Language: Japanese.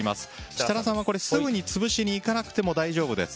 設楽さんは、これをすぐに潰しにいかなくても大丈夫です。